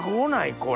これ。